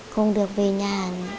không được về nhà